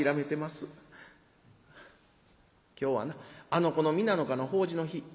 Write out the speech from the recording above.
今日はなあの子の三七日の法事の日。